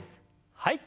はい。